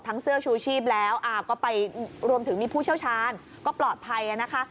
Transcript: เสื้อชูชีพแล้วก็ไปรวมถึงมีผู้เชี่ยวชาญก็ปลอดภัยนะคะ